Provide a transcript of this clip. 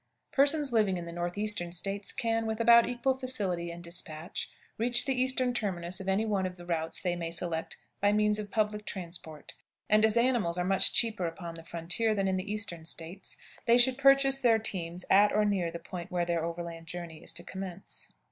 Persons living in the Northeastern States can, with about equal facility and dispatch, reach the eastern terminus of any one of the routes they may select by means of public transport. And, as animals are much cheaper upon the frontier than in the Eastern States, they should purchase their teams at or near the point where the overland journey is to commence.